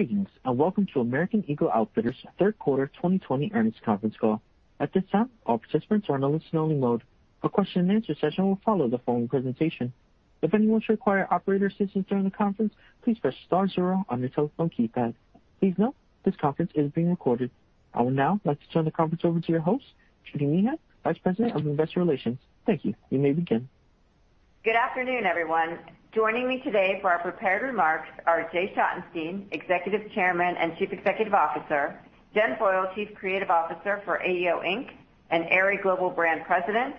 Greetings, and welcome to American Eagle Outfitters third quarter 2020 earnings conference call. At this time, all participants are in a listen only mode. A question and answer session will follow the phone presentation. If anyone should require operator assistance during the conference, please press star zero on your telephone keypad. Please note, this conference is being recorded. I would now like to turn the conference over to your host, Judy Meehan, Vice President of Investor Relations. Thank you. You may begin. Good afternoon, everyone. Joining me today for our prepared remarks are Jay Schottenstein, Executive Chairman and Chief Executive Officer, Jen Foyle, Chief Creative Officer for AEO Inc. and Aerie global brand President,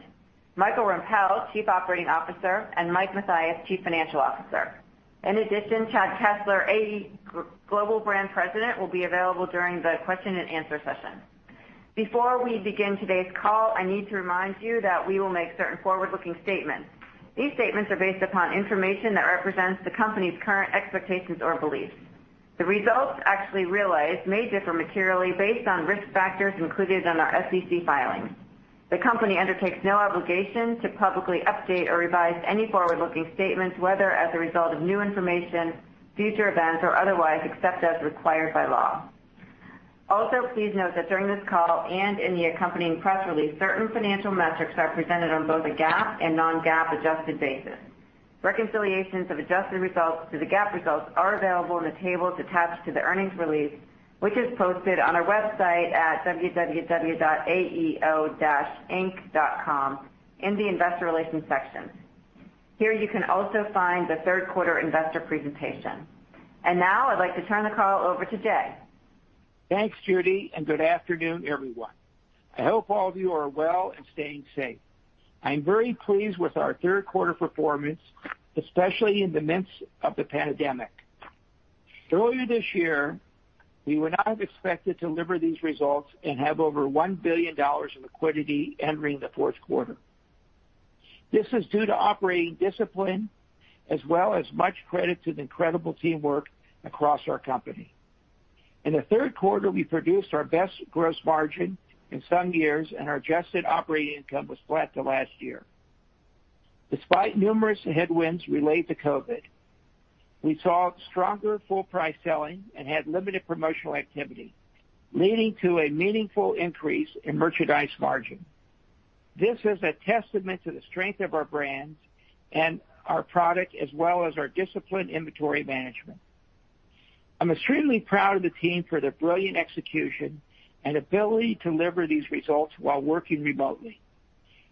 Michael Rempell, Chief Operating Officer, and Mike Mathias, Chief Financial Officer. In addition, Chad Kessler, AE global brand president, will be available during the question and answer session. Before we begin today's call, I need to remind you that we will make certain forward-looking statements. These statements are based upon information that represents the company's current expectations or beliefs. The results actually realized may differ materially based on risk factors included in our SEC filings. The company undertakes no obligation to publicly update or revise any forward-looking statements, whether as a result of new information, future events, or otherwise, except as required by law. Also, please note that during this call and in the accompanying press release, certain financial metrics are presented on both a GAAP and non-GAAP adjusted basis. Reconciliations of adjusted results to the GAAP results are available in the tables attached to the earnings release, which is posted on our website at www.aeo-inc.com in the investor relations section. Here, you can also find the third quarter investor presentation. Now I'd like to turn the call over to Jay. Thanks, Judy. Good afternoon, everyone. I hope all of you are well and staying safe. I'm very pleased with our third quarter performance, especially in the midst of the pandemic. Earlier this year, we would not have expected to deliver these results and have over $1 billion in liquidity entering the fourth quarter. This is due to operating discipline as well as much credit to the incredible teamwork across our company. In the third quarter, we produced our best gross margin in some years, and our adjusted operating income was flat to last year. Despite numerous headwinds related to COVID, we saw stronger full price selling and had limited promotional activity, leading to a meaningful increase in merchandise margin. This is a testament to the strength of our brands and our product as well as our disciplined inventory management. I'm extremely proud of the team for their brilliant execution and ability to deliver these results while working remotely.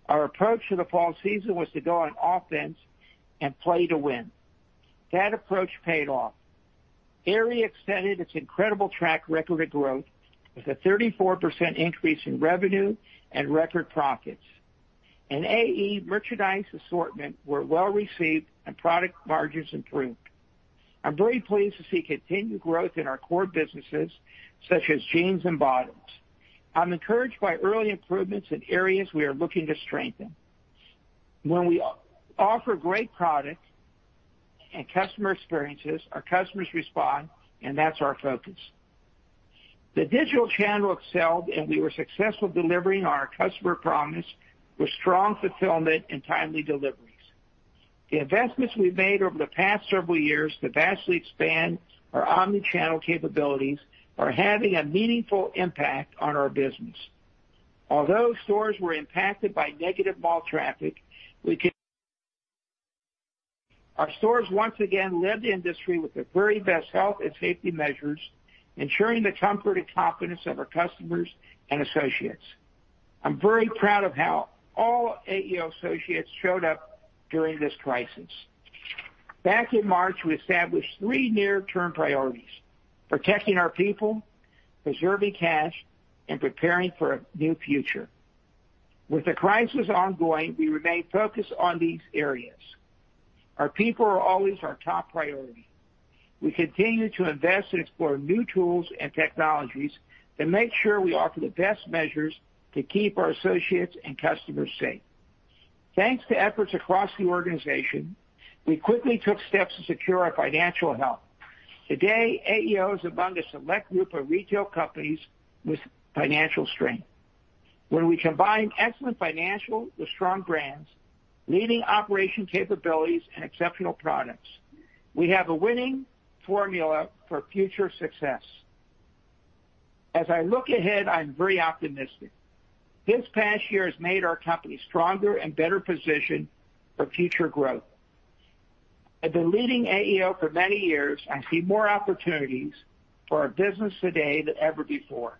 Our approach to the fall season was to go on offense and play to win. That approach paid off. Aerie extended its incredible track record of growth with a 34% increase in revenue and record profits. AE merchandise assortment were well received and product margins improved. I'm very pleased to see continued growth in our core businesses such as jeans and bottoms. I'm encouraged by early improvements in areas we are looking to strengthen. When we offer great product and customer experiences, our customers respond, and that's our focus. The digital channel excelled, and we were successful delivering our customer promise with strong fulfillment and timely deliveries. The investments we've made over the past several years to vastly expand our omnichannel capabilities are having a meaningful impact on our business. Although stores were impacted by negative mall traffic, Our stores once again led the industry with the very best health and safety measures, ensuring the comfort and confidence of our customers and associates. I'm very proud of how all AEO associates showed up during this crisis. Back in March, we established three near term priorities, protecting our people, preserving cash, and preparing for a new future. With the crisis ongoing, we remain focused on these areas. Our people are always our top priority. We continue to invest and explore new tools and technologies to make sure we offer the best measures to keep our associates and customers safe. Thanks to efforts across the organization, we quickly took steps to secure our financial health. Today, AEO is among a select group of retail companies with financial strength. When we combine excellent financial with strong brands, leading operation capabilities, and exceptional products, we have a winning formula for future success. As I look ahead, I'm very optimistic. This past year has made our company stronger and better positioned for future growth. I've been leading AEO for many years. I see more opportunities for our business today than ever before.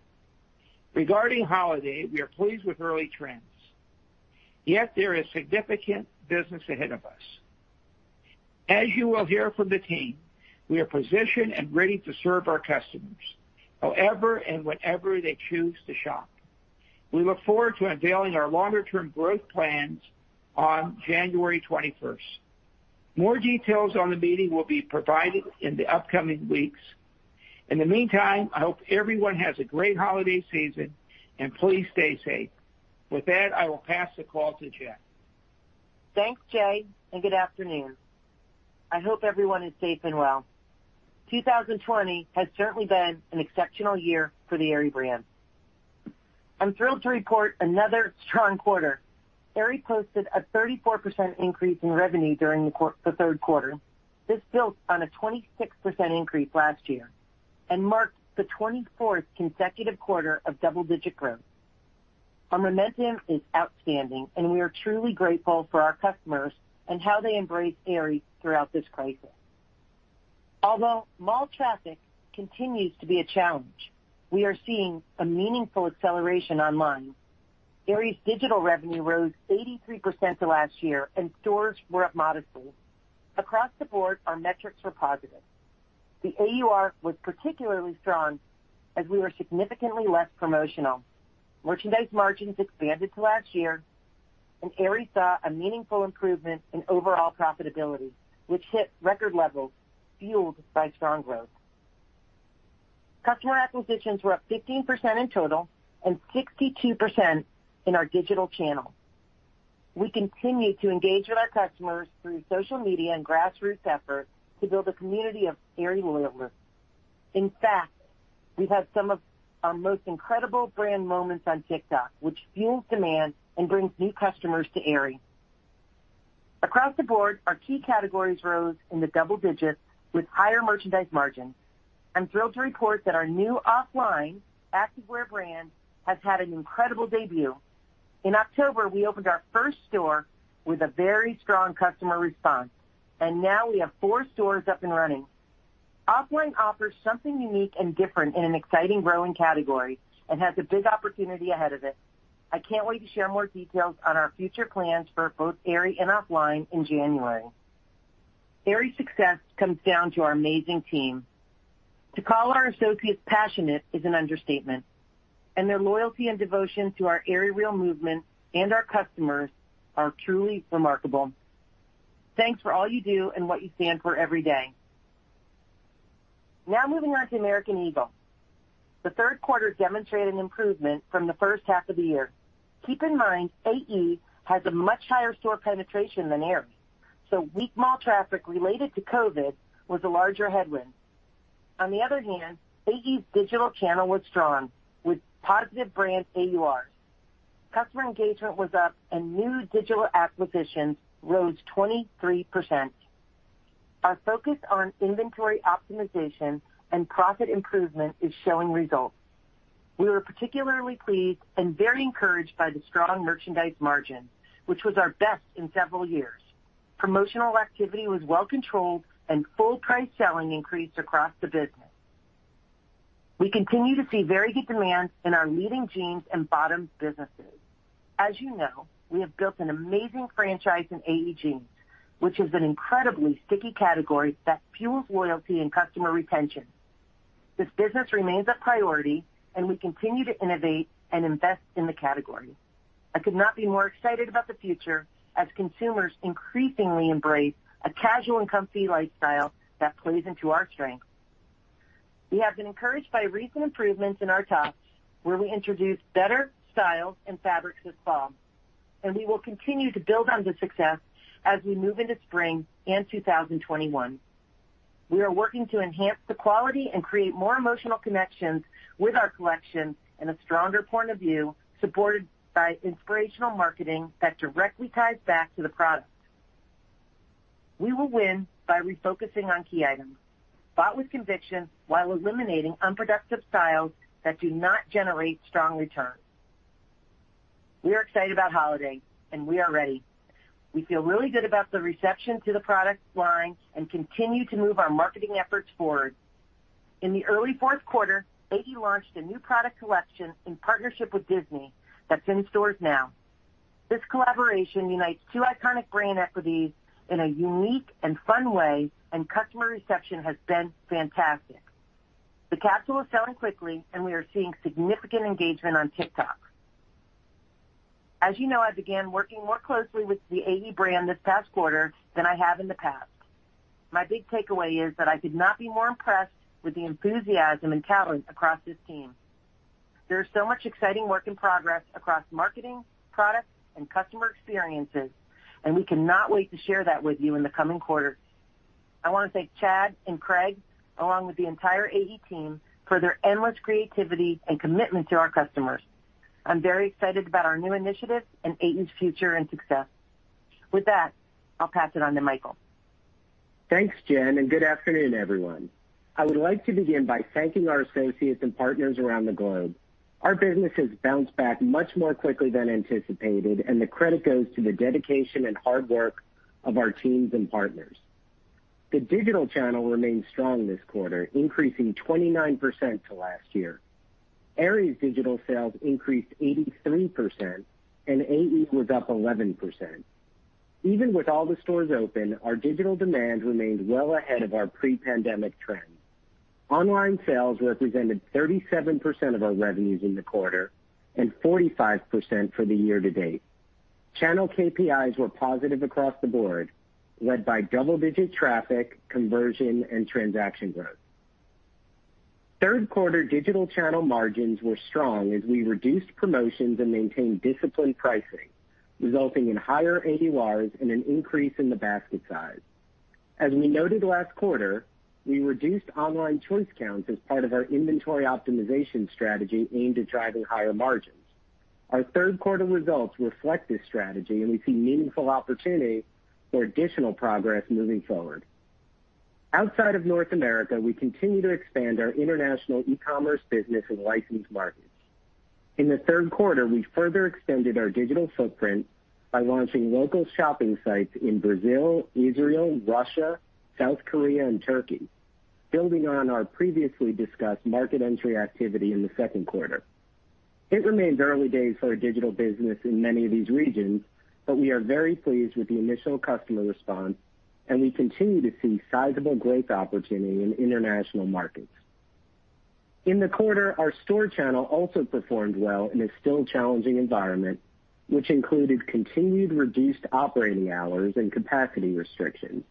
Regarding holiday, we are pleased with early trends. Yet there is significant business ahead of us. As you will hear from the team, we are positioned and ready to serve our customers, however and whenever they choose to shop. We look forward to unveiling our longer term growth plans on January 21st. More details on the meeting will be provided in the upcoming weeks. In the meantime, I hope everyone has a great holiday season, and please stay safe. With that, I will pass the call to Jen. Thanks, Jay, and good afternoon. I hope everyone is safe and well. 2020 has certainly been an exceptional year for the Aerie brand. I'm thrilled to report another strong quarter. Aerie posted a 34% increase in revenue during the third quarter. This builds on a 26% increase last year and marks the 24th consecutive quarter of double-digit growth. Our momentum is outstanding, and we are truly grateful for our customers and how they embraced Aerie throughout this crisis. Although mall traffic continues to be a challenge, we are seeing a meaningful acceleration online. Aerie's digital revenue rose 83% to last year, and stores were up modestly. Across the board, our metrics were positive. The AUR was particularly strong as we were significantly less promotional. Merchandise margins expanded to last year, and Aerie saw a meaningful improvement in overall profitability, which hit record levels fueled by strong growth. Customer acquisitions were up 15% in total and 62% in our digital channel. We continue to engage with our customers through social media and grassroots efforts to build a community of Aerie loyalists. In fact, we've had some of our most incredible brand moments on TikTok, which fuels demand and brings new customers to Aerie. Across the board, our key categories rose in the double digits with higher merchandise margins. I'm thrilled to report that our new OFFLINE activewear brand has had an incredible debut. In October, we opened our first store with a very strong customer response, and now we have four stores up and running. OFFLINE offers something unique and different in an exciting growing category and has a big opportunity ahead of it. I can't wait to share more details on our future plans for both Aerie and OFFLINE in January. Aerie's success comes down to our amazing team. To call our associates passionate is an understatement, and their loyalty and devotion to our Aerie Real movement and our customers are truly remarkable. Thanks for all you do and what you stand for every day. Now moving on to American Eagle. The third quarter demonstrated an improvement from the first half of the year. Keep in mind, AE has a much higher store penetration than Aerie, so weak mall traffic related to COVID was a larger headwind. On the other hand, AE's digital channel was strong with positive brand AURs. Customer engagement was up, and new digital acquisitions rose 23%. Our focus on inventory optimization and profit improvement is showing results. We were particularly pleased and very encouraged by the strong merchandise margin, which was our best in several years. Promotional activity was well controlled, and full price selling increased across the business. We continue to see very good demand in our leading jeans and bottoms businesses. As you know, we have built an amazing franchise in AE jeans, which is an incredibly sticky category that fuels loyalty and customer retention. This business remains a priority, and we continue to innovate and invest in the category. I could not be more excited about the future as consumers increasingly embrace a casual and comfy lifestyle that plays into our strength. We have been encouraged by recent improvements in our tops, where we introduced better styles and fabrics this fall. We will continue to build on this success as we move into spring and 2021. We are working to enhance the quality and create more emotional connections with our collection and a stronger point of view, supported by inspirational marketing that directly ties back to the product. We will win by refocusing on key items bought with conviction while eliminating unproductive styles that do not generate strong returns. We are excited about holiday, and we are ready. We feel really good about the reception to the product line and continue to move our marketing efforts forward. In the early fourth quarter, AE launched a new product collection in partnership with Disney that's in stores now. This collaboration unites two iconic brand equities in a unique and fun way, and customer reception has been fantastic. The capsule is selling quickly, and we are seeing significant engagement on TikTok. As you know, I began working more closely with the AE brand this past quarter than I have in the past. My big takeaway is that I could not be more impressed with the enthusiasm and talent across this team. There is so much exciting work in progress across marketing, products, and customer experiences, and we cannot wait to share that with you in the coming quarters. I want to thank Chad and Craig, along with the entire AE team, for their endless creativity and commitment to our customers. I'm very excited about our new initiatives and AE's future and success. With that, I'll pass it on to Michael. Thanks, Jen. Good afternoon, everyone. I would like to begin by thanking our associates and partners around the globe. Our business has bounced back much more quickly than anticipated, and the credit goes to the dedication and hard work of our teams and partners. The digital channel remained strong this quarter, increasing 29% to last year. Aerie's digital sales increased 83%, and AE was up 11%. Even with all the stores open, our digital demand remained well ahead of our pre-pandemic trends. Online sales represented 37% of our revenues in the quarter and 45% for the year to date. Channel KPIs were positive across the board, led by double-digit traffic, conversion, and transaction growth. Third quarter digital channel margins were strong as we reduced promotions and maintained disciplined pricing, resulting in higher AURs and an increase in the basket size. As we noted last quarter, we reduced online choice counts as part of our inventory optimization strategy aimed at driving higher margins. Our third quarter results reflect this strategy, and we see meaningful opportunity for additional progress moving forward. Outside of North America, we continue to expand our international e-commerce business in licensed markets. In the third quarter, we further extended our digital footprint by launching local shopping sites in Brazil, Israel, Russia, South Korea, and Turkey, building on our previously discussed market entry activity in the second quarter. It remains early days for our digital business in many of these regions, but we are very pleased with the initial customer response, and we continue to see sizable growth opportunity in international markets. In the quarter, our store channel also performed well in a still challenging environment, which included continued reduced operating hours and capacity restrictions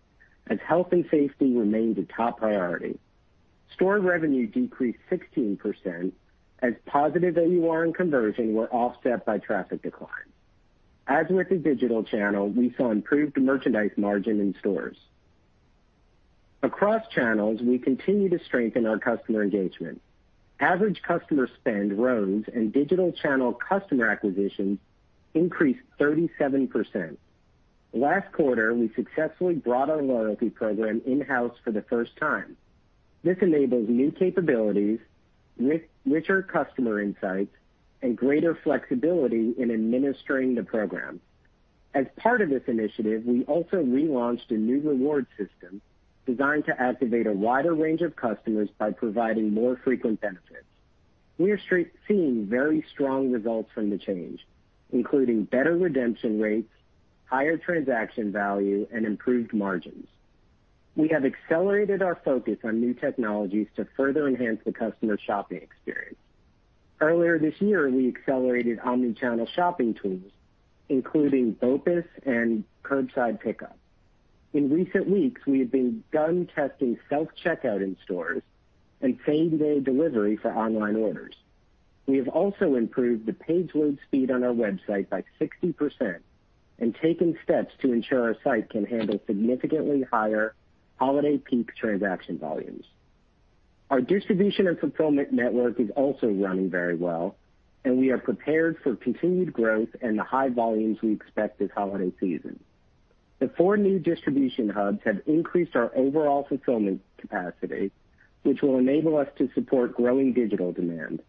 as health and safety remained a top priority. Store revenue decreased 16% as positive AUR and conversion were offset by traffic decline. As with the digital channel, we saw improved merchandise margin in stores. Across channels, we continue to strengthen our customer engagement. Average customer spend rose and digital channel customer acquisitions increased 37%. Last quarter, we successfully brought our loyalty program in-house for the first time. This enables new capabilities, richer customer insights, and greater flexibility in administering the program. As part of this initiative, we also relaunched a new reward system designed to activate a wider range of customers by providing more frequent benefits. We are seeing very strong results from the change, including better redemption rates, higher transaction value, and improved margins. We have accelerated our focus on new technologies to further enhance the customer shopping experience. Earlier this year, we accelerated omnichannel shopping tools, including BOPUS and curbside pickup. In recent weeks, we have begun testing self-checkout in stores and same-day delivery for online orders. We have also improved the page load speed on our website by 60% and taken steps to ensure our site can handle significantly higher holiday peak transaction volumes. Our distribution and fulfillment network is also running very well, and we are prepared for continued growth and the high volumes we expect this holiday season. The four new distribution hubs have increased our overall fulfillment capacity, which will enable us to support growing digital demand.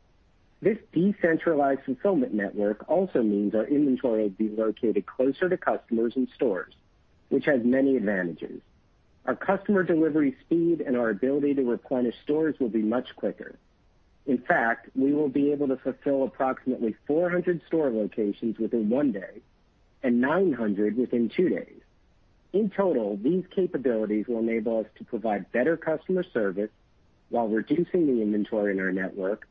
This decentralized fulfillment network also means our inventory will be located closer to customers and stores, which has many advantages. Our customer delivery speed and our ability to replenish stores will be much quicker. In fact, we will be able to fulfill approximately 400 store locations within one day and 900 within two days. In total, these capabilities will enable us to provide better customer service while reducing the inventory in our network,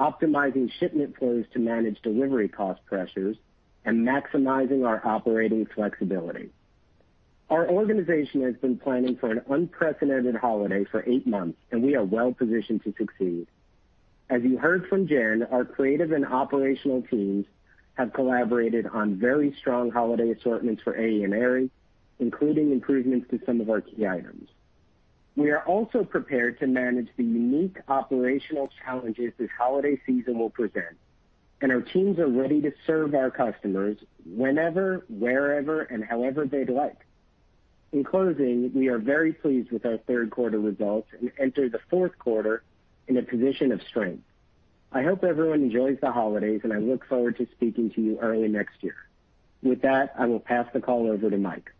optimizing shipment flows to manage delivery cost pressures, and maximizing our operating flexibility. Our organization has been planning for an unprecedented holiday for eight months, and we are well positioned to succeed. As you heard from Jen, our creative and operational teams have collaborated on very strong holiday assortments for AE and Aerie, including improvements to some of our key items. We are also prepared to manage the unique operational challenges this holiday season will present, and our teams are ready to serve our customers whenever, wherever, and however they'd like. In closing, we are very pleased with our third quarter results and enter the fourth quarter in a position of strength. I hope everyone enjoys the holidays, and I look forward to speaking to you early next year. With that, I will pass the call over to Mike.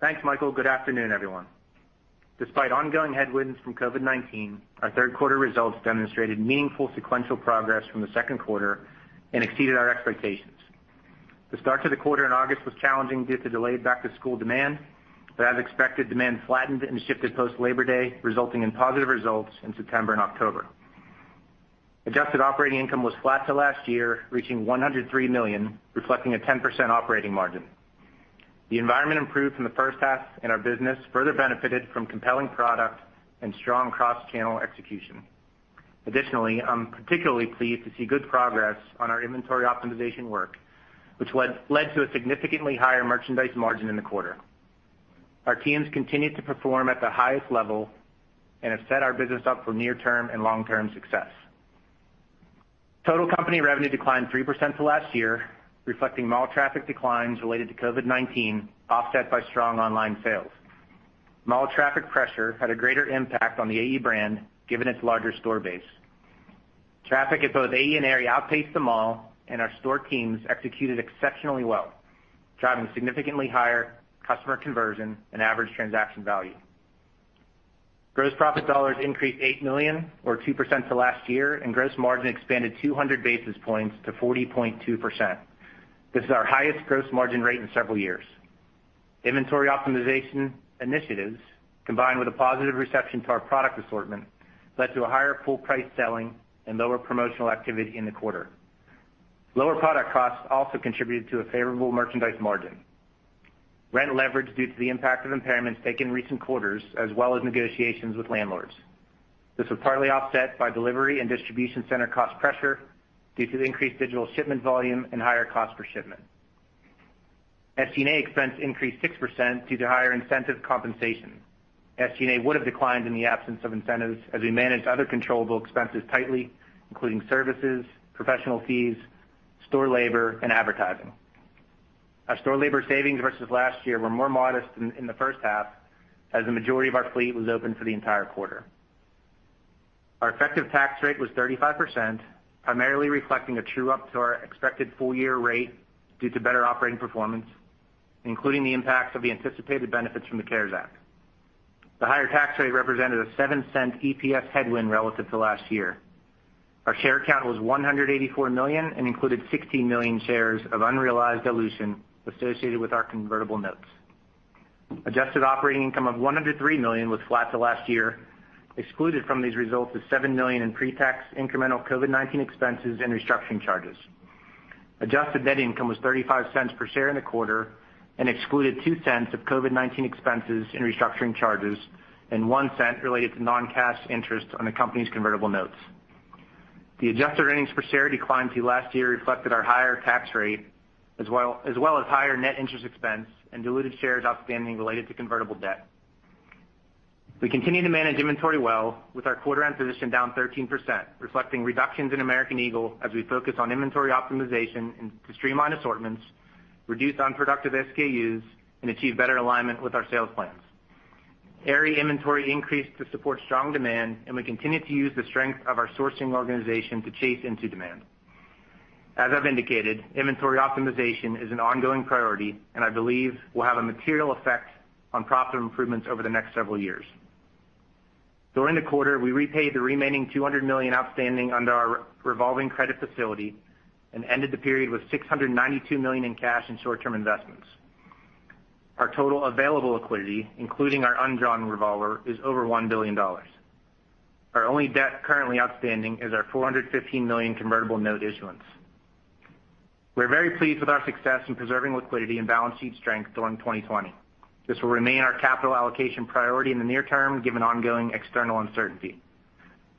Thanks, Michael. Good afternoon, everyone. Despite ongoing headwinds from COVID-19, our third quarter results demonstrated meaningful sequential progress from the second quarter and exceeded our expectations. The start to the quarter in August was challenging due to delayed back-to-school demand. As expected, demand flattened and shifted post Labor Day, resulting in positive results in September and October. Adjusted operating income was flat to last year, reaching $103 million, reflecting a 10% operating margin. The environment improved from the first half. Our business further benefited from compelling product and strong cross-channel execution. Additionally, I'm particularly pleased to see good progress on our inventory optimization work, which led to a significantly higher merchandise margin in the quarter. Our teams continued to perform at the highest level and have set our business up for near-term and long-term success. Total company revenue declined 3% to last year, reflecting mall traffic declines related to COVID-19, offset by strong online sales. Mall traffic pressure had a greater impact on the AE brand, given its larger store base. Traffic at both AE and Aerie outpaced the mall, and our store teams executed exceptionally well, driving significantly higher customer conversion and average transaction value. Gross profit dollars increased $8 million or 2% to last year, and gross margin expanded 200 basis points to 40.2%. This is our highest gross margin rate in several years. Inventory optimization initiatives, combined with a positive reception to our product assortment, led to a higher full price selling and lower promotional activity in the quarter. Lower product costs also contributed to a favorable merchandise margin. Rent leverage due to the impact of impairments taken in recent quarters as well as negotiations with landlords. This was partly offset by delivery and distribution center cost pressure due to the increased digital shipment volume and higher cost per shipment. SG&A expense increased 6% due to higher incentive compensation. SG&A would have declined in the absence of incentives as we managed other controllable expenses tightly, including services, professional fees, store labor, and advertising. Our store labor savings versus last year were more modest in the first half as the majority of our fleet was open for the entire quarter. Our effective tax rate was 35%, primarily reflecting a true-up to our expected full-year rate due to better operating performance, including the impacts of the anticipated benefits from the CARES Act. The higher tax rate represented a $0.07 EPS headwind relative to last year. Our share count was 184 million and included 16 million shares of unrealized dilution associated with our convertible notes. Adjusted operating income of 103 million was flat to last year. Excluded from these results is 7 million in pre-tax incremental COVID-19 expenses and restructuring charges. Adjusted net income was $0.35 per share in the quarter and excluded $0.02 of COVID-19 expenses and restructuring charges and $0.01 related to non-cash interest on the company's convertible notes. The adjusted earnings per share decline to last year reflected our higher tax rate as well as higher net interest expense and diluted shares outstanding related to convertible debt. We continue to manage inventory well with our quarter end position down 13%, reflecting reductions in American Eagle as we focus on inventory optimization to streamline assortments, reduce unproductive SKUs, and achieve better alignment with our sales plans. Aerie inventory increased to support strong demand, and we continue to use the strength of our sourcing organization to chase into demand. As I've indicated, inventory optimization is an ongoing priority, and I believe will have a material effect on profit improvements over the next several years. During the quarter, we repaid the remaining $200 million outstanding under our revolving credit facility and ended the period with $692 million in cash and short-term investments. Our total available liquidity, including our undrawn revolver, is over $1 billion. Our only debt currently outstanding is our $415 million convertible note issuance. We're very pleased with our success in preserving liquidity and balancing strength during 2020. This will remain our capital allocation priority in the near term, given ongoing external uncertainty.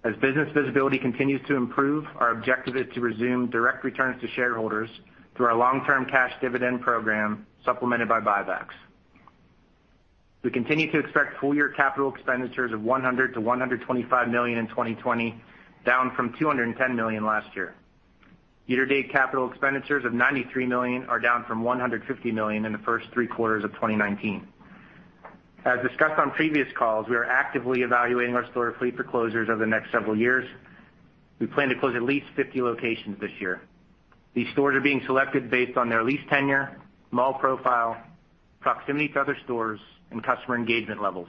As business visibility continues to improve, our objective is to resume direct returns to shareholders through our long-term cash dividend program, supplemented by buybacks. We continue to expect full year capital expenditures of $100 million-$125 million in 2020, down from $210 million last year. Year-to-date capital expenditures of $93 million are down from $150 million in the first three quarters of 2019. As discussed on previous calls, we are actively evaluating our store fleet for closures over the next several years. We plan to close at least 50 locations this year. These stores are being selected based on their lease tenure, mall profile, proximity to other stores, and customer engagement levels.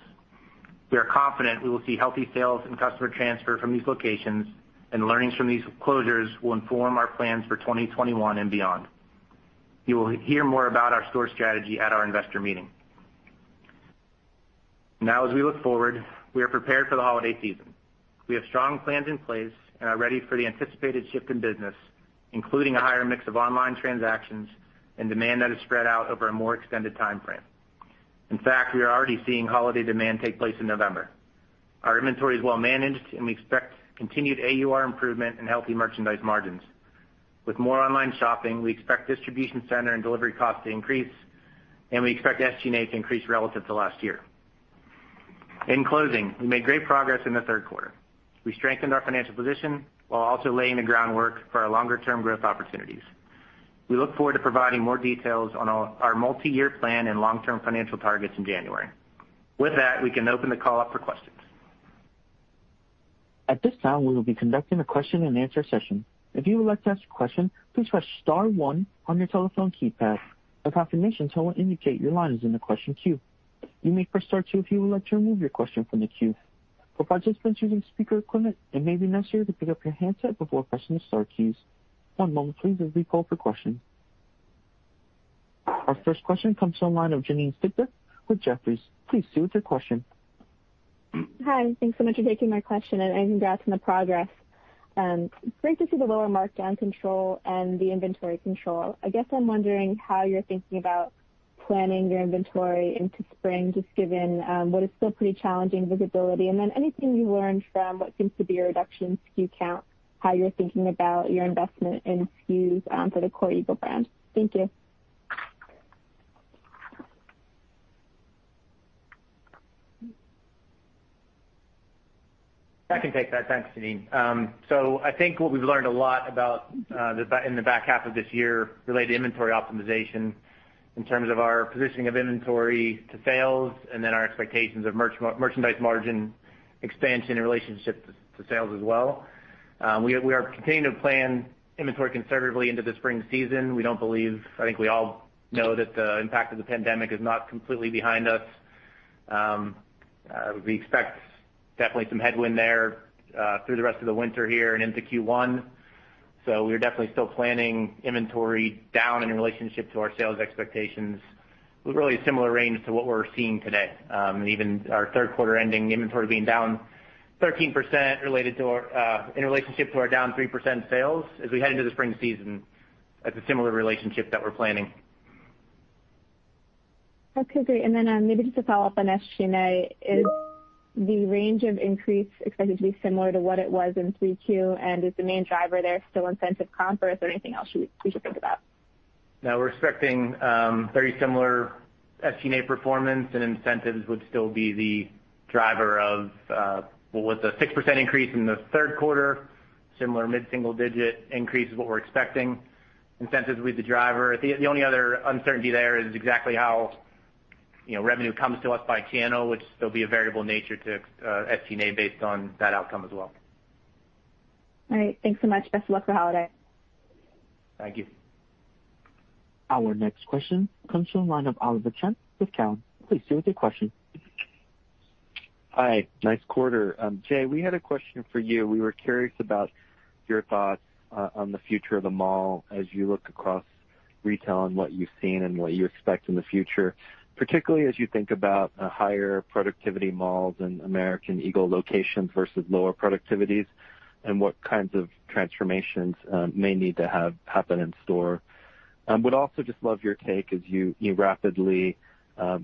We are confident we will see healthy sales and customer transfer from these locations, and learnings from these closures will inform our plans for 2021 and beyond. You will hear more about our store strategy at our investor meeting. As we look forward, we are prepared for the holiday season. We have strong plans in place and are ready for the anticipated shift in business, including a higher mix of online transactions and demand that is spread out over a more extended timeframe. In fact, we are already seeing holiday demand take place in November. Our inventory is well managed, and we expect continued AUR improvement and healthy merchandise margins. With more online shopping, we expect distribution center and delivery costs to increase, and we expect SG&A to increase relative to last year. In closing, we made great progress in the third quarter. We strengthened our financial position while also laying the groundwork for our longer-term growth opportunities. We look forward to providing more details on our multi-year plan and long-term financial targets in January. With that, we can open the call up for questions. At this time, we will be conducting a question and answer session. If you would like to ask a question, please press star one on your telephone keypad. A confirmation tone will indicate your line is in the question queue. You may press star two if you would like to remove your question from the queue. Participants using speaker equipment, it may be necessary to pick up your handset before pressing star two. One moment please, and we will go for questions. Our first question comes from the line of Janine Stichter with Jefferies. Please proceed with your question. Hi, thanks so much for taking my question and congrats on the progress. Great to see the lower markdown control and the inventory control. I guess I'm wondering how you're thinking about planning your inventory into spring, just given what is still pretty challenging visibility, and then anything you learned from what seems to be a reduction in SKU count, how you're thinking about your investment in SKUs for the core Eagle brand. Thank you. I can take that. Thanks, Janine. I think what we've learned a lot about in the back half of this year related to inventory optimization in terms of our positioning of inventory to sales and then our expectations of merchandise margin expansion in relationship to sales as well. We are continuing to plan inventory conservatively into the spring season. I think we all know that the impact of the pandemic is not completely behind us. We expect definitely some headwind there through the rest of the winter here and into Q1. We're definitely still planning inventory down in relationship to our sales expectations with really a similar range to what we're seeing today. Even our third quarter ending inventory being down 13% in relationship to our down 3% sales as we head into the spring season. That's a similar relationship that we're planning Okay, great. Maybe just a follow-up on SG&A, is the range of increase expected to be similar to what it was in Q3, and is the main driver there still incentive comp, or is there anything else we should think about? No, we're expecting very similar SG&A performance, and incentives would still be the driver of, well, with a 6% increase in the third quarter, similar mid-single digit increase is what we're expecting. Incentives will be the driver. The only other uncertainty there is exactly how revenue comes to us by channel, which there'll be a variable nature to SG&A based on that outcome as well. All right. Thanks so much. Best of luck for holiday. Thank you. Our next question comes from the line of Oliver Chen with Cowen. Please proceed with your question. Hi. Nice quarter. Jay, we had a question for you. We were curious about your thoughts on the future of the mall as you look across retail and what you've seen and what you expect in the future, particularly as you think about higher productivity malls and American Eagle locations versus lower productivities, and what kinds of transformations may need to happen in store. Would also just love your take as you rapidly have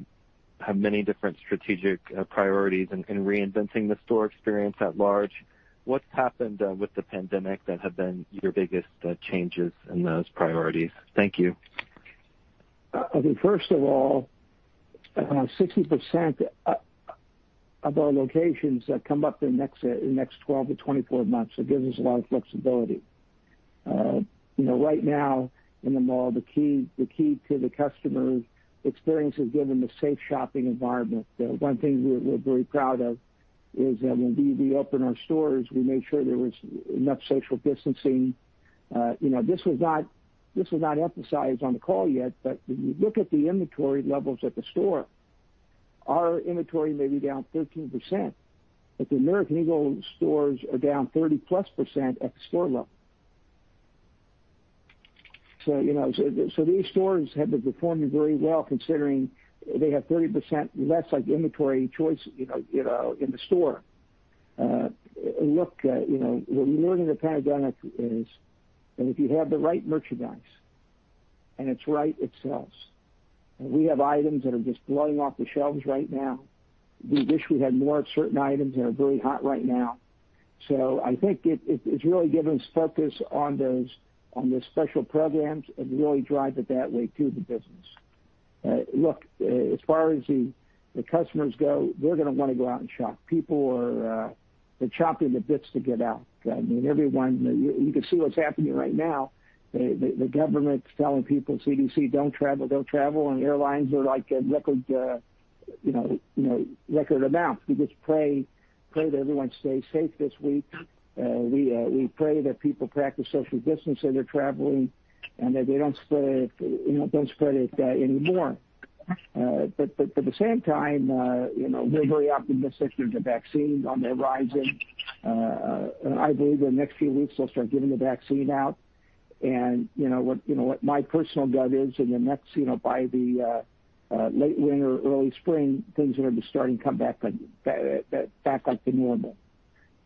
many different strategic priorities in reinventing the store experience at large. What's happened with the pandemic that have been your biggest changes in those priorities? Thank you. I mean, first of all, 60% of our locations come up in the next 12-24 months. It gives us a lot of flexibility. Right now in the mall, the key to the customer experience is giving them a safe shopping environment. The one thing we're very proud of is that when we opened our stores, we made sure there was enough social distancing. This was not emphasized on the call yet, but when you look at the inventory levels at the store, our inventory may be down 13%, but the American Eagle stores are down 30%+ at the store level. So, these stores have been performing very well, considering they have 30% less inventory choice in the store. Look, what we learned in the pandemic is that if you have the right merchandise, and it's right, it sells. We have items that are just blowing off the shelves right now. We wish we had more of certain items that are very hot right now. I think it's really given us focus on the special programs and really drive it that way too, the business. Look, as far as the customers go, they're gonna wanna go out and shop. People are chomping at the bits to get out. I mean, everyone, you can see what's happening right now. The government's telling people, CDC, don't travel, and airlines are like at record amounts. We just pray that everyone stays safe this week. We pray that people practice social distance as they're traveling and that they don't spread it any more. At the same time, we're very optimistic with the vaccines on the horizon. I believe in the next few weeks, they'll start giving the vaccine out. What my personal gut is, in the next, by the late winter or early spring, things are going to be starting to come back like the normal.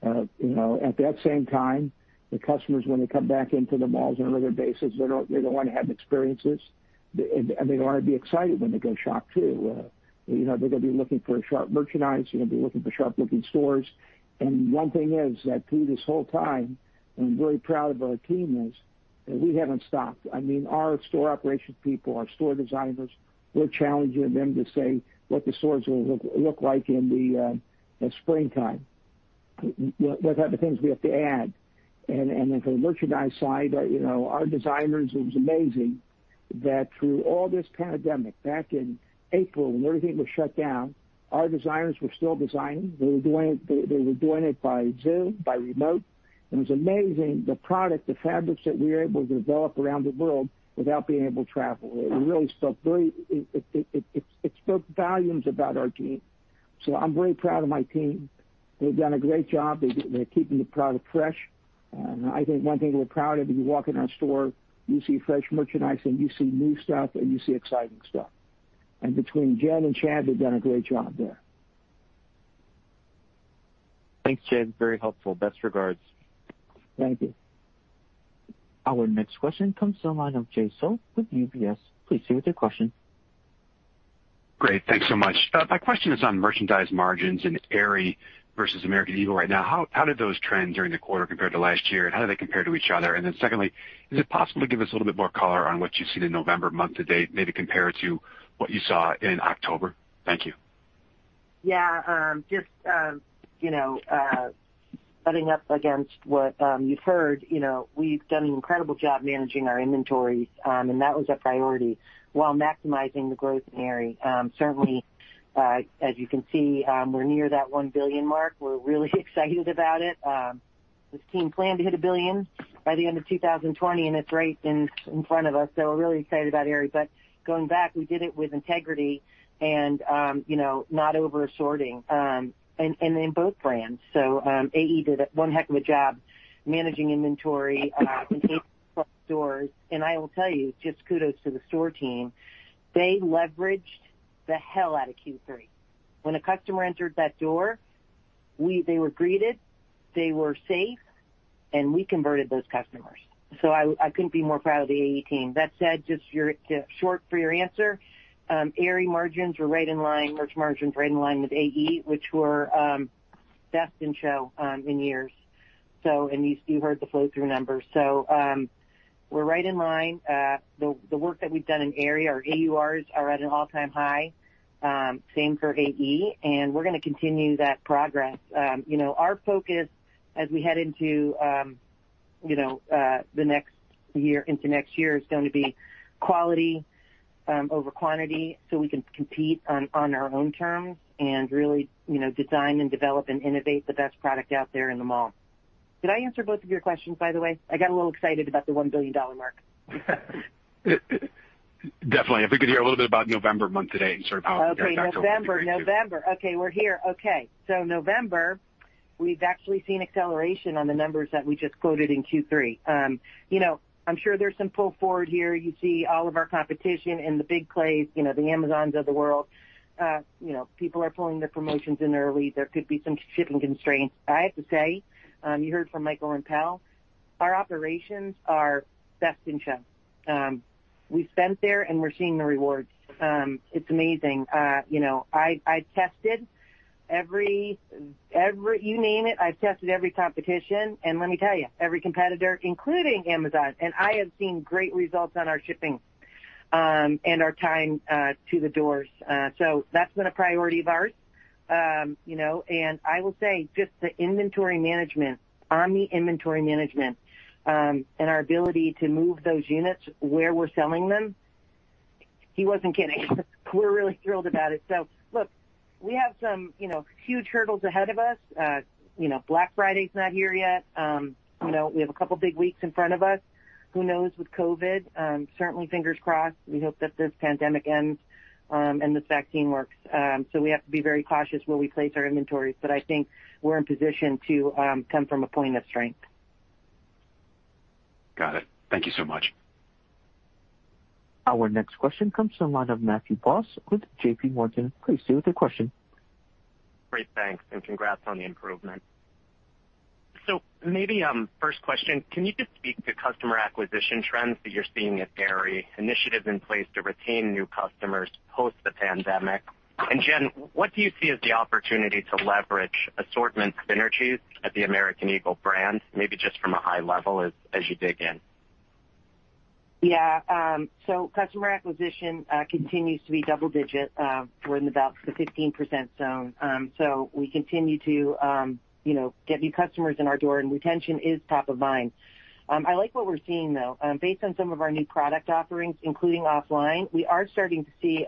At that same time, the customers, when they come back into the malls on a regular basis, they're going to want to have experiences, and they want to be excited when they go shop, too. They're gonna be looking for sharp merchandise. They're gonna be looking for sharp-looking stores. One thing is that through this whole time, I'm very proud of our team is that we haven't stopped. I mean, our store operations people, our store designers, we're challenging them to say what the stores will look like in the springtime, what type of things we have to add. Then for the merchandise side, our designers, it was amazing that through all this pandemic, back in April, when everything was shut down, our designers were still designing. They were doing it by Zoom, by remote. It was amazing the product, the fabrics that we were able to develop around the world without being able to travel. It spoke volumes about our team. I'm very proud of my team. They've done a great job. They're keeping the product fresh. I think one thing we're proud of, you walk in our store, you see fresh merchandise, and you see new stuff, and you see exciting stuff. Between Jen and Chad, they've done a great job there. Thanks, Jay. Very helpful. Best regards. Thank you. Our next question comes from the line of Jay Sole with UBS. Please proceed with your question. Great. Thanks so much. My question is on merchandise margins in Aerie versus American Eagle right now. How did those trend during the quarter compared to last year, and how do they compare to each other? Secondly, is it possible to give us a little bit more color on what you've seen in November month to date, maybe compare it to what you saw in October? Thank you. Just, butting up against what you've heard, we've done an incredible job managing our inventories, and that was a priority while maximizing the growth in Aerie. Certainly, as you can see, we're near that $1 billion mark. We're really excited about it. This team planned to hit $1 billion by the end of 2020, and it's right in front of us, so we're really excited about Aerie. Going back, we did it with integrity and not over-assorting, and in both brands. AE did one heck of a job managing inventory and stores. I will tell you, just kudos to the store team. They leveraged the hell out of Q3. When a customer entered that door. They were greeted, they were safe, and we converted those customers. I couldn't be more proud of the AE team. That said, just short for your answer, Aerie margins were right in line. Merch margins were right in line with AE, which were best in show in years. You heard the flow through numbers. We're right in line. The work that we've done in Aerie, our AURs are at an all-time high. Same for AE, and we're going to continue that progress. Our focus as we head into next year is going to be quality over quantity so we can compete on our own terms and really design and develop and innovate the best product out there in the mall. Did I answer both of your questions, by the way? I got a little excited about the $1 billion mark. Definitely. If we could hear a little bit about November month to date and sort of how- Okay. November. We're here. November, we've actually seen acceleration on the numbers that we just quoted in Q3. I'm sure there's some pull forward here. You see all of our competition in the big plays, the Amazons of the world. People are pulling their promotions in early. There could be some shipping constraints. I have to say, you heard from Michael Rempell, our operations are best in show. We spent there, and we're seeing the rewards. It's amazing. You name it, I've tested every competition, and let me tell you, every competitor, including Amazon, and I have seen great results on our shipping and our time to the doors. That's been a priority of ours. I will say, just the inventory management, omni inventory management, and our ability to move those units where we're selling them, he wasn't kidding. We're really thrilled about it. Look, we have some huge hurdles ahead of us. Black Friday is not here yet. We have a couple of big weeks in front of us. Who knows with COVID. Certainly, fingers crossed, we hope that this pandemic ends, and this vaccine works. We have to be very cautious where we place our inventories, but I think we're in position to come from a point of strength. Got it. Thank you so much. Our next question comes from the line of Matthew Boss with JPMorgan. Please stay with your question. Great. Thanks, and congrats on the improvement. Maybe first question, can you just speak to customer acquisition trends that you're seeing at Aerie, initiatives in place to retain new customers post the pandemic? Jen, what do you see as the opportunity to leverage assortment synergies at the American Eagle brand, maybe just from a high level as you dig in? Yeah. Customer acquisition continues to be double digit. We're in about the 15% zone. We continue to get new customers in our door, and retention is top of mind. I like what we're seeing, though. Based on some of our new product offerings, including OFFLINE, we are starting to see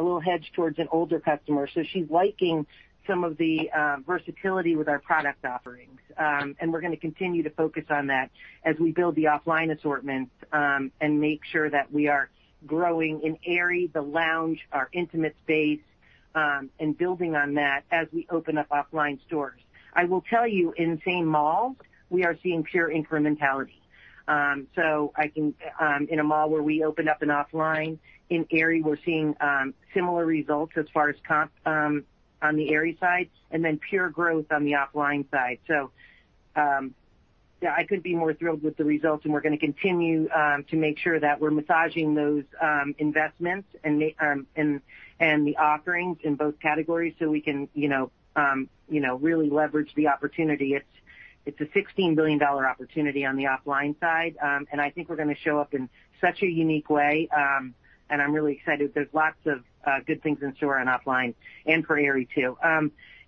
a little hedge towards an older customer. She's liking some of the versatility with our product offerings. We're going to continue to focus on that as we build the OFFLINE assortments, and make sure that we are growing in Aerie, the lounge, our intimate space, and building on that as we open up OFFLINE stores. I will tell you, in same mall, we are seeing pure incrementality. In a mall where we opened up an OFFLINE, in Aerie, we're seeing similar results as far as comp on the Aerie side, and then pure growth on the OFFLINE side. I couldn't be more thrilled with the results, and we're going to continue to make sure that we're massaging those investments and the offerings in both categories so we can really leverage the opportunity. It's a $16 billion opportunity on the OFFLINE side, and I think we're going to show up in such a unique way, and I'm really excited. There's lots of good things in store and OFFLINE and for Aerie too.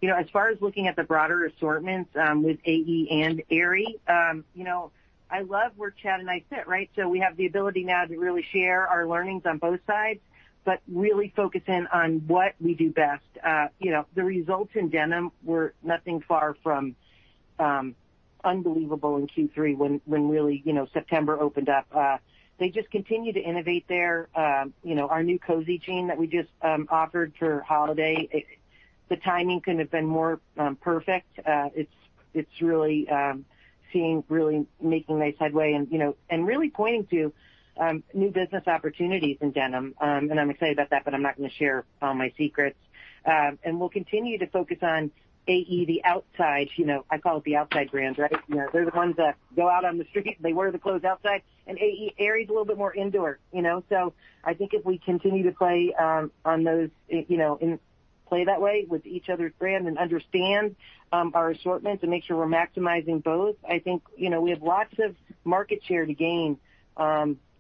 As far as looking at the broader assortments with AE and Aerie, I love where Chad and I sit, right? We have the ability now to really share our learnings on both sides, but really focus in on what we do best. The results in denim were nothing far from unbelievable in Q3 when really September opened up. They just continue to innovate there. Our new cozy jean that we just offered for holiday, the timing couldn't have been more perfect. It's really making nice headway, and really pointing to new business opportunities in denim, and I'm excited about that, but I'm not going to share all my secrets. We'll continue to focus on AE the outside. I call it the outside brand, right? They're the ones that go out on the street. They wear the clothes outside. Aerie is a little bit more indoor. I think if we continue to play that way with each other's brand and understand our assortments and make sure we're maximizing both, I think we have lots of market share to gain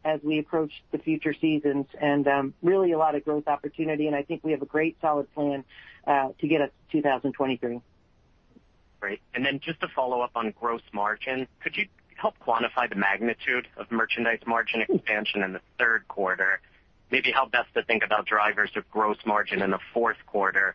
as we approach the future seasons, and really a lot of growth opportunity, and I think we have a great solid plan to get us to 2023. Great. Then just to follow up on gross margin, could you help quantify the magnitude of merchandise margin expansion in the third quarter? Maybe how best to think about drivers of gross margin in the fourth quarter?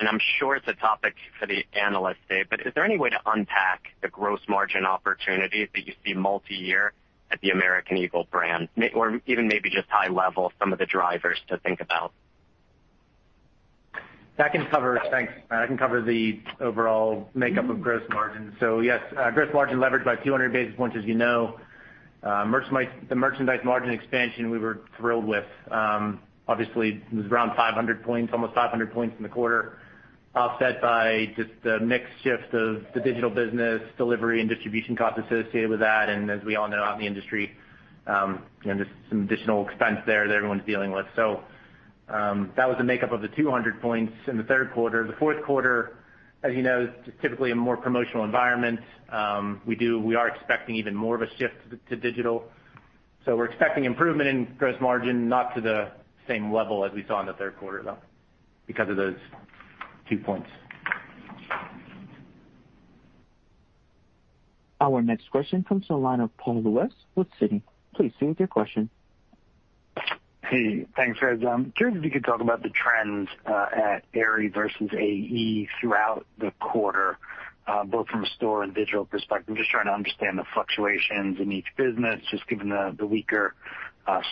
I'm sure it's a topic for the analyst day, but is there any way to unpack the gross margin opportunities that you see multi-year at the American Eagle brand, or even maybe just high level some of the drivers to think about? Thanks, Matt. I can cover the overall makeup of gross margin. Yes, gross margin leverage by 200 basis points, as you know. The merchandise margin expansion we were thrilled with. Obviously, it was around 500 points, almost 500 points in the quarter, offset by just the mix shift of the digital business delivery and distribution costs associated with that. As we all know, out in the industry, just some additional expense there that everyone's dealing with. That was the makeup of the 200 points in the third quarter. The fourth quarter, as you know, is typically a more promotional environment. We are expecting even more of a shift to digital. We're expecting improvement in gross margin, not to the same level as we saw in the third quarter, though, because of those two points. Our next question comes from the line of Paul Lejuez with Citi. Please proceed with your question. Hey, thanks, guys. I'm curious if you could talk about the trends at Aerie versus AE throughout the quarter, both from a store and digital perspective. I'm just trying to understand the fluctuations in each business, just given the weaker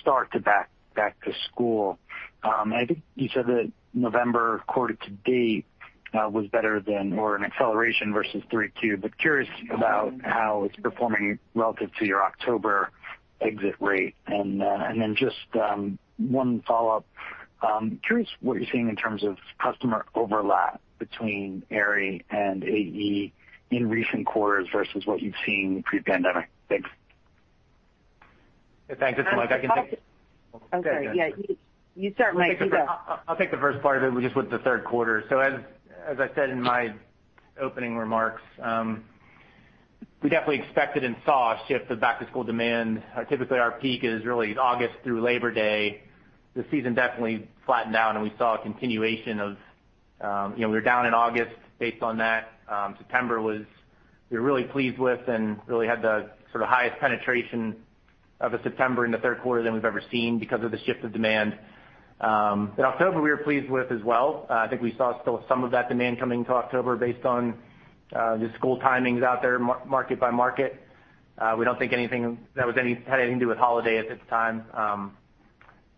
start to back to school. I think you said that November quarter to date was better than, or an acceleration versus Q3. Curious about how it's performing relative to your October exit rate. Just one follow-up. Curious what you're seeing in terms of customer overlap between Aerie and AE in recent quarters versus what you've seen pre-pandemic. Thanks. Yeah, thanks. This is Mike. I can take it. I'm sorry. Yeah, you start, Mike. You go. I'll take the first part of it, just with the third quarter. As I said in my opening remarks, we definitely expected and saw a shift of back-to-school demand. Typically, our peak is really August through Labor Day. The season definitely flattened out. We were down in August based on that. September was, we were really pleased with and really had the highest penetration of a September in the third quarter than we've ever seen because of the shift of demand. October, we were pleased with as well. I think we saw still some of that demand coming to October based on the school timings out there, market by market. We don't think anything that had anything to do with holiday at this time.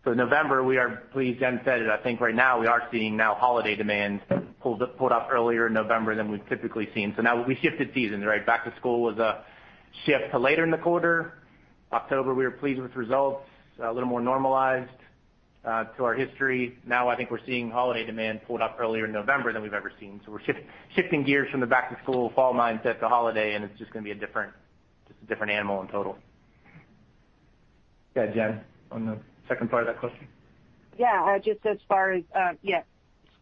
November, we are pleased. Jen said it, I think right now we are seeing now holiday demand pulled up earlier in November than we've typically seen. Now we shifted seasons. Back to school was a shift to later in the quarter. October, we were pleased with results, a little more normalized to our history. Now I think we're seeing holiday demand pulled up earlier in November than we've ever seen. We're shifting gears from the back to school fall mindset to holiday, and it's just going to be a different animal in total. Go ahead, Jen, on the second part of that question. Yeah.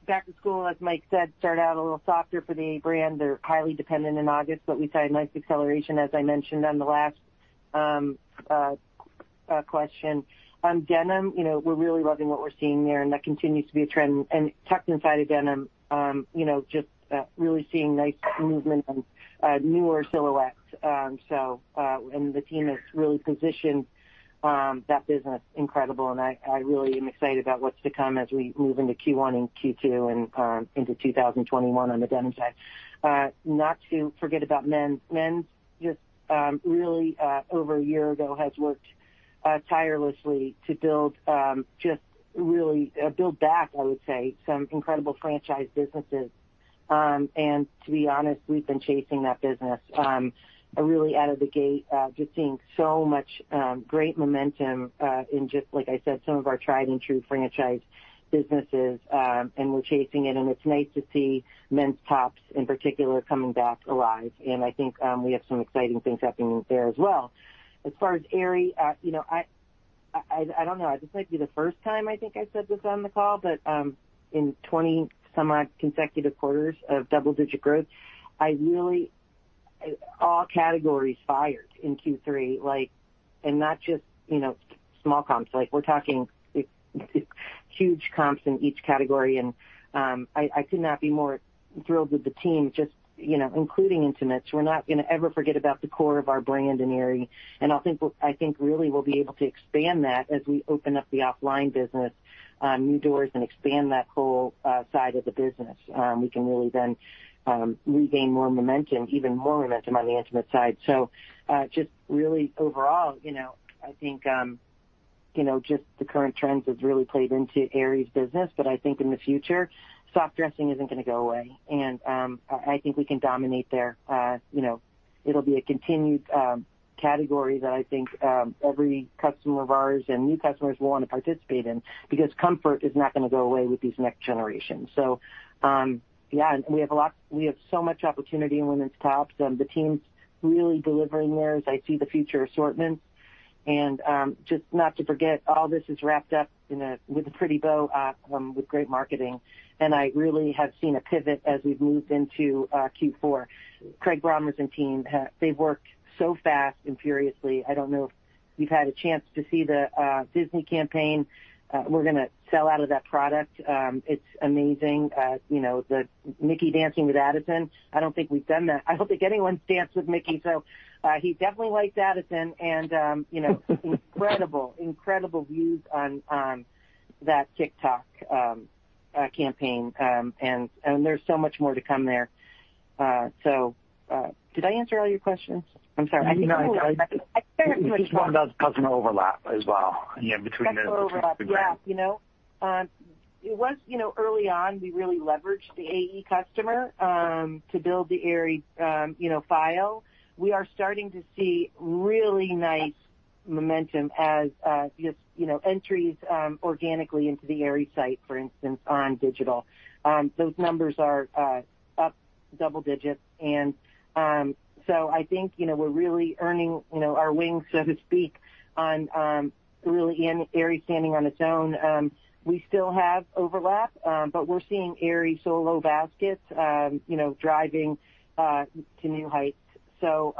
Back to school, as Mike said, started out a little softer for the Aerie brand. We saw a nice acceleration, as I mentioned on the last question. On denim, we're really loving what we're seeing there. That continues to be a trend. Tucked inside of denim, just really seeing nice movement on newer silhouettes. The team has really positioned that business incredible. I really am excited about what's to come as we move into Q1 and Q2 and into 2021 on the denim side. Not to forget about men's. Men's, just really over a year ago, has worked tirelessly to build back, I would say, some incredible franchise businesses. To be honest, we've been chasing that business really out of the gate, just seeing so much great momentum in just, like I said, some of our tried and true franchise businesses. We're chasing it, and it's nice to see men's tops in particular coming back alive. I think we have some exciting things happening there as well. As far as Aerie, I don't know. This might be the first time I think I said this on the call, but in 20-some odd consecutive quarters of double-digit growth, all categories fired in Q3, and not just small comps. We're talking huge comps in each category, and I could not be more thrilled with the team, including intimates. We're not going to ever forget about the core of our brand in Aerie. I think really we'll be able to expand that as we open up the OFFLINE business, new doors, and expand that whole side of the business. We can really then regain more momentum, even more momentum on the intimate side. Just really overall, I think just the current trends have really played into Aerie's business. I think in the future, soft dressing isn't going to go away, and I think we can dominate there. It'll be a continued category that I think every customer of ours and new customers will want to participate in because comfort is not going to go away with these next generations. Yeah, and we have so much opportunity in women's tops. The team's really delivering there as I see the future assortments. Just not to forget, all this is wrapped up with a pretty bow with great marketing. I really have seen a pivot as we've moved into Q4. Craig Brommers and team, they've worked so fast and furiously. I don't know if you've had a chance to see the Disney campaign. We're going to sell out of that product. It's amazing. The Mickey dancing with Addison. I don't think we've done that. I don't think anyone's danced with Mickey, so he definitely likes Addison. Incredible views on that TikTok campaign. There's so much more to come there. Did I answer all your questions? I'm sorry. No. I think I have two more. Just one about customer overlap as well between the two brands. It was early on, we really leveraged the AE customer to build the Aerie file. We are starting to see really nice momentum as just entries organically into the Aerie site, for instance, on digital. Those numbers are up double digits. I think we're really earning our wings, so to speak, on really Aerie standing on its own. We still have overlap, but we're seeing Aerie solo baskets driving to new heights. We're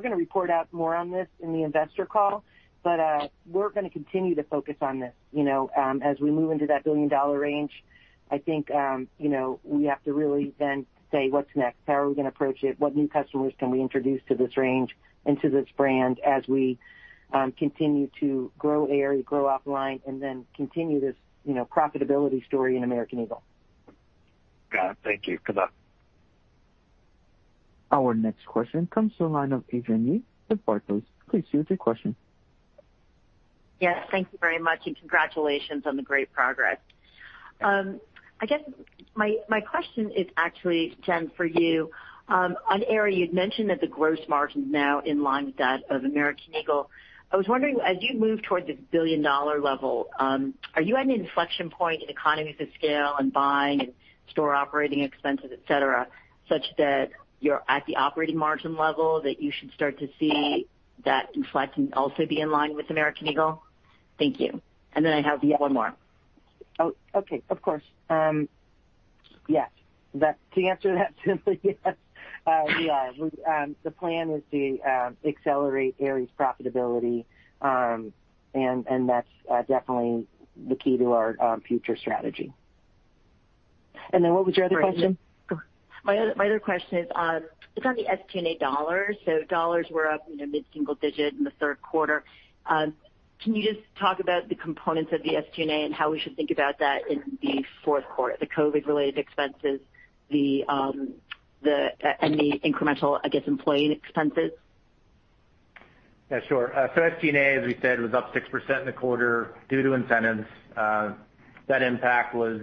going to report out more on this in the investor call, but we're going to continue to focus on this. As we move into that billion-dollar range, I think we have to really then say, what's next? How are we going to approach it? What new customers can we introduce to this range and to this brand as we continue to grow Aerie, grow OFFLINE, and then continue this profitability story in American Eagle. Got it. Thank you. Good luck. Our next question comes to the line of Adrienne Yih with Barclays. Please proceed with your question. Yes, thank you very much. Congratulations on the great progress. I guess my question is actually, Jen, for you. On Aerie, you'd mentioned that the gross margin is now in line with that of American Eagle. I was wondering, as you move towards the billion-dollar level, are you at an inflection point in economies of scale and buying and store operating expenses, et cetera, such that you're at the operating margin level that you should start to see that reflect and also be in line with American Eagle? Thank you. Then I have one more. Oh, okay. Of course. Yes. To answer that simply, yes, we are. The plan is to accelerate Aerie's profitability, and that's definitely the key to our future strategy. What was your other question? My other question is on the SG&A dollars. Dollars were up in the mid-single digit in the third quarter. Can you just talk about the components of the SG&A and how we should think about that in the fourth quarter, the COVID-related expenses, and the incremental, I guess, employee expenses? Yeah, sure. SG&A, as we said, was up 6% in the quarter due to incentives. That impact was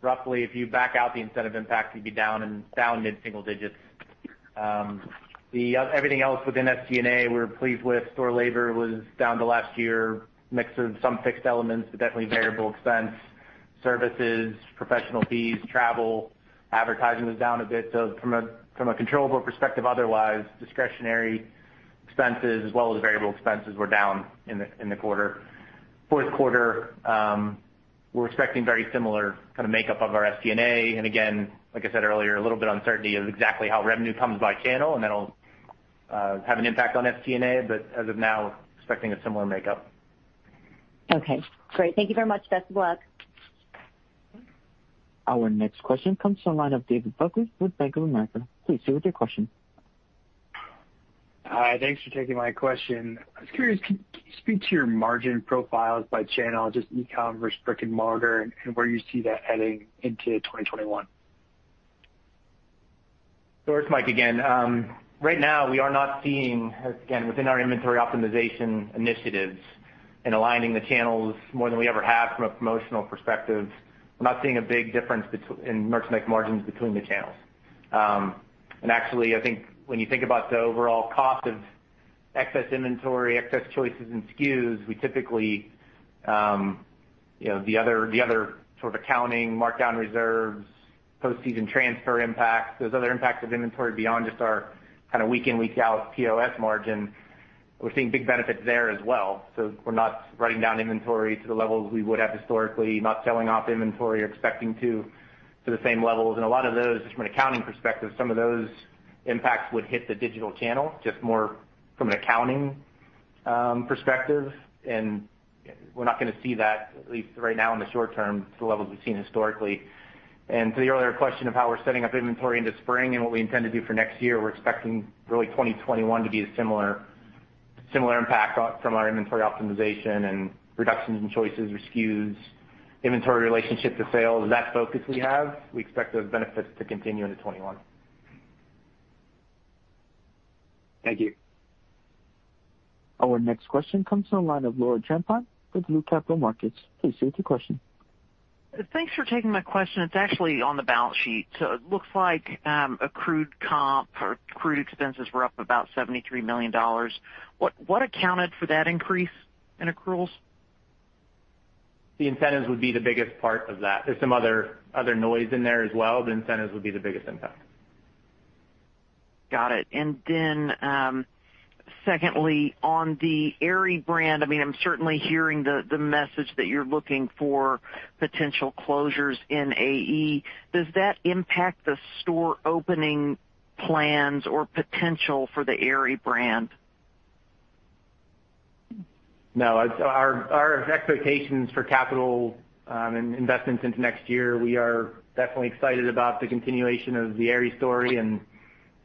roughly, if you back out the incentive impact, you'd be down in mid-single digits. Everything else within SG&A, we're pleased with. Store labor was down to last year, mix of some fixed elements, but definitely variable expense. Services, professional fees, travel, advertising was down a bit. From a controllable perspective, otherwise, discretionary expenses as well as variable expenses were down in the quarter. Fourth quarter, we're expecting very similar makeup of our SG&A. Again, like I said earlier, a little bit uncertainty of exactly how revenue comes by channel, and that'll have an impact on SG&A. As of now, expecting a similar makeup. Okay, great. Thank you very much. Best of luck. Our next question comes to the line of David Buckley with Bank of America. Please proceed with your question. Hi. Thanks for taking my question. I was curious, can you speak to your margin profiles by channel, just e-commerce, brick-and-mortar, and where you see that heading into 2021? Sure. It's Mike again. Right now, we are not seeing, again, within our inventory optimization initiatives and aligning the channels more than we ever have from a promotional perspective, we're not seeing a big difference in merchant margins between the channels. Actually, I think when you think about the overall cost of excess inventory, excess choices and SKUs, we typically, the other sort of accounting markdown reserves, post-season transfer impacts, those other impacts of inventory beyond just our week in, week out POS margin, we're seeing big benefits there as well. We're not writing down inventory to the levels we would have historically, not selling off inventory or expecting to the same levels. A lot of those, just from an accounting perspective, some of those impacts would hit the digital channel, just more from an accounting perspective, and we're not going to see that, at least right now in the short term, to the levels we've seen historically. To the earlier question of how we're setting up inventory into spring and what we intend to do for next year, we're expecting really 2021 to be a similar impact from our inventory optimization and reductions in choices or SKUs, inventory relationship to sales. That focus we have, we expect those benefits to continue into 2021. Thank you. Our next question comes to the line of Laura Champine with Loop Capital Markets. Please proceed with your question. Thanks for taking my question. It's actually on the balance sheet. It looks like accrued comp or accrued expenses were up about $73 million. What accounted for that increase in accruals? The incentives would be the biggest part of that. There's some other noise in there as well, but incentives would be the biggest impact. Got it. Then secondly, on the Aerie brand, I'm certainly hearing the message that you're looking for potential closures in AE. Does that impact the store opening plans or potential for the Aerie brand? No. Our expectations for capital and investments into next year, we are definitely excited about the continuation of the Aerie story and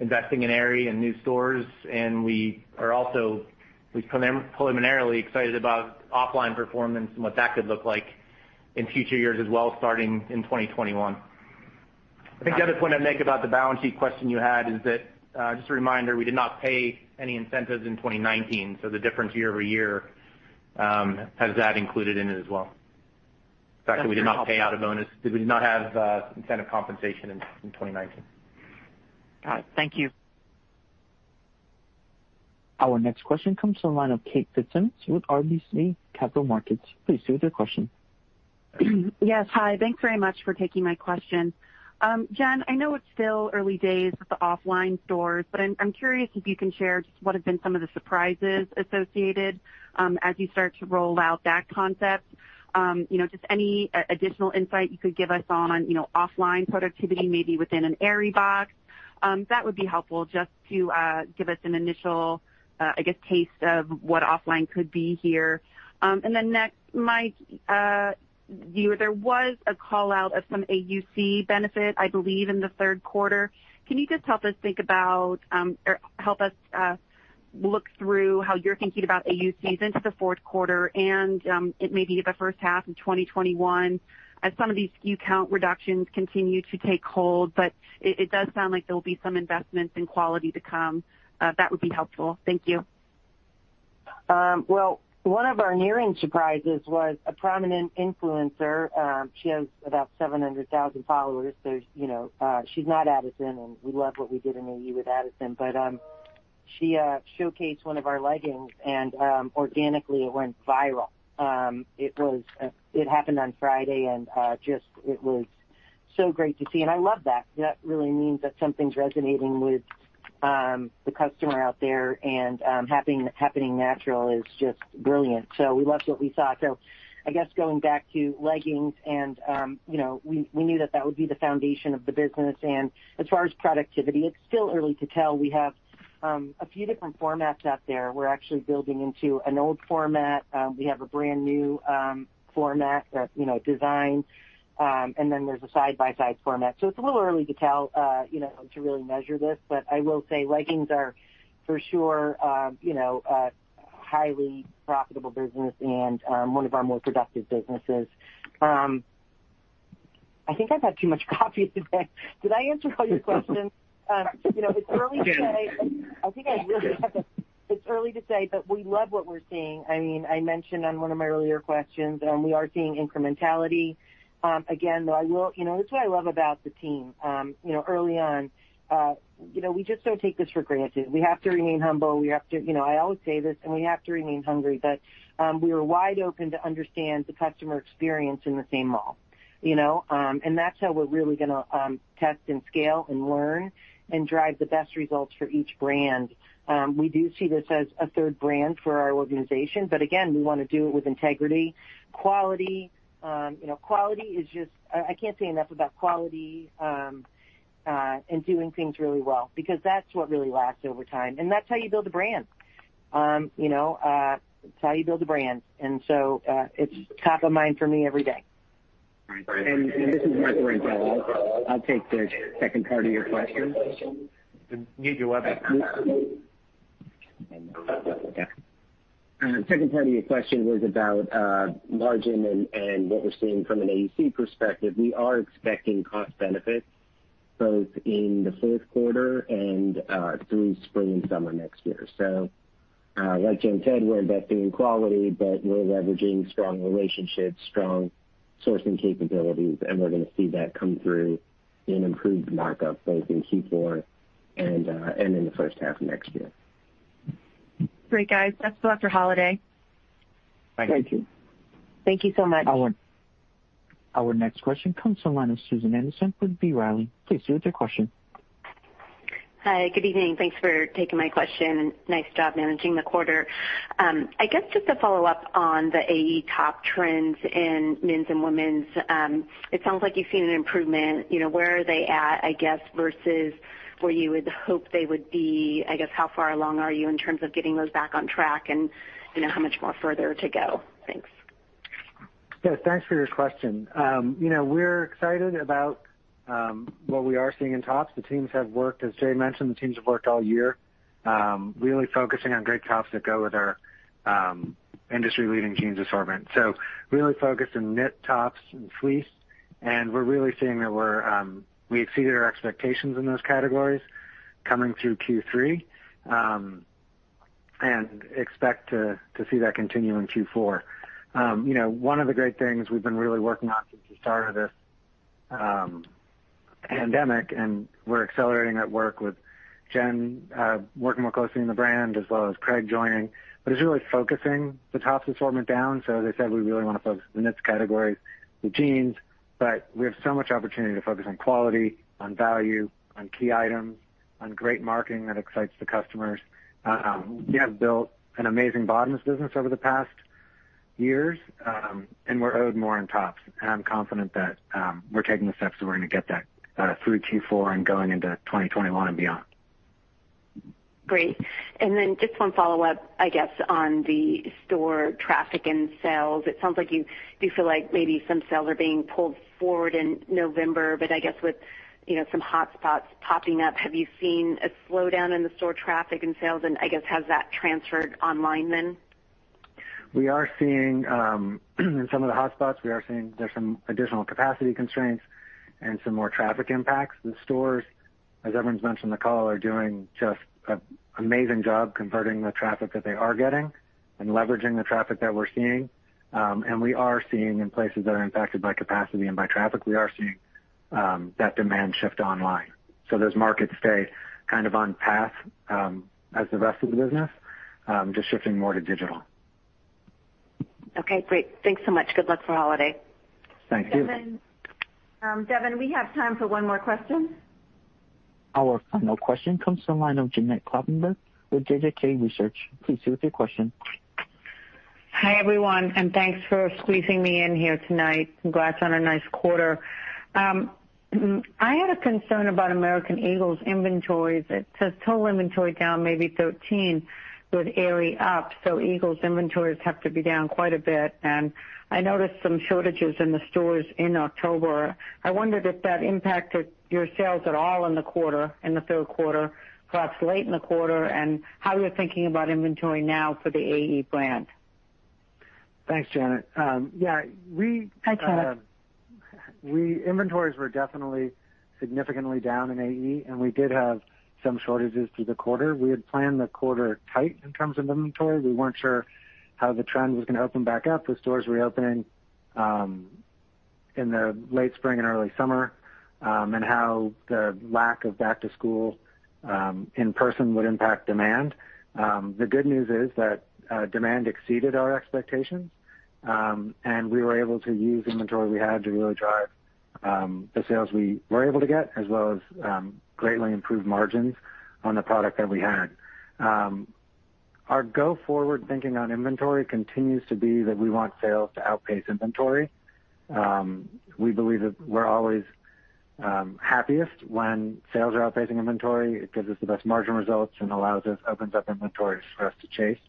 investing in Aerie and new stores. We are also preliminarily excited about OFFLINE performance and what that could look like in future years as well, starting in 2021. I think the other point I'd make about the balance sheet question you had is that, just a reminder, we did not pay any incentives in 2019, so the difference year-over-year has that included in it as well. In fact, we did not pay out a bonus. We did not have incentive compensation in 2019. Got it. Thank you. Our next question comes from the line of Kate Fitzsimons with RBC Capital Markets. Please proceed with your question. Yes. Hi. Thanks very much for taking my question. Jen, I know it's still early days with the OFFLINE stores, but I'm curious if you can share just what have been some of the surprises associated as you start to roll out that concept. Just any additional insight you could give us on OFFLINE productivity, maybe within an Aerie box. That would be helpful just to give us an initial, I guess, taste of what OFFLINE could be here. Next, Mike, there was a call-out of some AUC benefit, I believe, in the third quarter. Can you just help us look through how you're thinking about AUCs into the fourth quarter and maybe the first half of 2021 as some of these SKU count reductions continue to take hold? It does sound like there will be some investments in quality to come. That would be helpful. Thank you. Well, one of our nearing surprises was a prominent influencer. She has about 700,000 followers. She's not Addison. We love what we did in AE with Addison. She showcased one of our leggings and organically it went viral. It happened on Friday and it was so great to see. I love that. That really means that something's resonating with the customer out there and happening natural is just brilliant. We loved what we saw. I guess going back to leggings and we knew that that would be the foundation of the business. As far as productivity, it's still early to tell. We have a few different formats out there. We're actually building into an old format. We have a brand new format design, and then there's a side-by-side format. It's a little early to tell to really measure this, but I will say leggings are for sure a highly profitable business and one of our more productive businesses. I think I've had too much coffee today. Did I answer all your questions? It's early to say, but we love what we're seeing. I mentioned on one of my earlier questions, we are seeing incrementality. Again, that's what I love about the team. Early on, we just don't take this for granted. We have to remain humble. I always say this, and we have to remain hungry, but we are wide open to understand the customer experience in the same mall. That's how we're really going to test and scale and learn and drive the best results for each brand. We do see this as a third brand for our organization, but again, we want to do it with integrity. Quality is just I can't say enough about quality and doing things really well, because that's what really lasts over time, and that's how you build a brand. It's how you build a brand, and so it's top of mind for me every day. All right. This is Michael Rempell. I'll take the second part of your question. The second part of your question was about margin and what we're seeing from an AUC perspective. We are expecting cost benefits both in the fourth quarter and through spring and summer next year. Like Jen said, we're investing in quality, but we're leveraging strong relationships, strong sourcing capabilities, and we're going to see that come through in improved markup both in Q4 and in the first half of next year. Great, guys. That's all for holiday. Thank you. Thank you so much. Our next question comes from the line of Susan Anderson with B. Riley. Please proceed with your question. Hi. Good evening. Thanks for taking my question, and nice job managing the quarter. I guess just to follow up on the AE top trends in men's and women's. It sounds like you've seen an improvement. Where are they at, I guess, versus where you would hope they would be? I guess how far along are you in terms of getting those back on track, and how much more further to go? Thanks. Yeah, thanks for your question. We're excited about what we are seeing in tops. As Jay mentioned, the teams have worked all year really focusing on great tops that go with our industry leading jeans assortment. Really focused in knit tops and fleece, and we're really seeing that we exceeded our expectations in those categories coming through Q3, and expect to see that continue in Q4. One of the great things we've been really working on since the start of this pandemic, and we're accelerating that work with Jen, working more closely in the brand as well as Craig joining, but is really focusing the tops assortment down. As I said, we really want to focus in the knits categories, the jeans, but we have so much opportunity to focus on quality, on value, on key items, on great marketing that excites the customers. We have built an amazing bottoms business over the past years, and we're owed more in tops, and I'm confident that we're taking the steps and we're going to get that through Q4 and going into 2021 and beyond. Great. Just one follow-up, I guess, on the store traffic and sales. It sounds like you do feel like maybe some sales are being pulled forward in November, but I guess with some hotspots popping up, have you seen a slowdown in the store traffic and sales? I guess, has that transferred online then? We are seeing in some of the hotspots, we are seeing there's some additional capacity constraints and some more traffic impacts. The stores, as everyone's mentioned in the call, are doing just an amazing job converting the traffic that they are getting and leveraging the traffic that we're seeing. We are seeing, in places that are impacted by capacity and by traffic, we are seeing that demand shift online. Those markets stay on path as the rest of the business, just shifting more to digital. Okay, great. Thanks so much. Good luck for holiday. Thank you. Devin, we have time for one more question. Our final question comes from the line of Janet Kloppenburg with JJK Research. Please go with your question. Hi, everyone, thanks for squeezing me in here tonight. Congrats on a nice quarter. I had a concern about American Eagle's inventories. It says total inventory down maybe 13, with Aerie up, so Eagle's inventories have to be down quite a bit. I noticed some shortages in the stores in October. I wondered if that impacted your sales at all in the third quarter, perhaps late in the quarter, and how you're thinking about inventory now for the AE brand. Thanks, Janet. Yeah. Hi, Chad. Inventories were definitely significantly down in AE, and we did have some shortages through the quarter. We had planned the quarter tight in terms of inventory. We weren't sure how the trend was going to open back up with stores reopening in the late spring and early summer, and how the lack of back-to-school in person would impact demand. The good news is that demand exceeded our expectations, and we were able to use inventory we had to really drive the sales we were able to get, as well as greatly improve margins on the product that we had. Our go-forward thinking on inventory continues to be that we want sales to outpace inventory. We believe that we're always happiest when sales are outpacing inventory. It gives us the best margin results and opens up inventories for us to chase.